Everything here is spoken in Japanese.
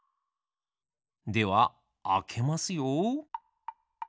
ではあけますよ。